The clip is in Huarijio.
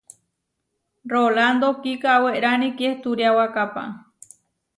Rolándo kikawérani kiehturiawakápa.